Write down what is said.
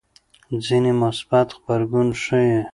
ځینې مثبت غبرګون ښيي.